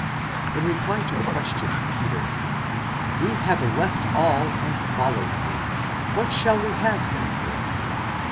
In reply to the question of Peter, We have left all and followed thee ; what shall we have therefore?